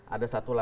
ada satu lagi